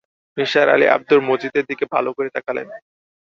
নিসার আলি আব্দুল মজিদের দিকে ভালো করে তাকালেন।